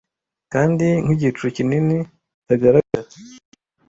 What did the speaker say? kandi nk'igicu kinini kitagaragara